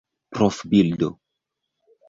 profbildo